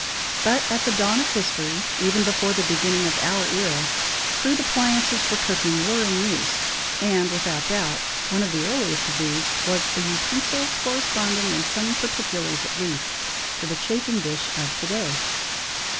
But at the dawn of history, even before the beginning of our era, crude appliances for cooking were in use; and, without doubt, one of the earliest of these was an utensil corresponding in some particulars, at least, to the chafing dish of to day.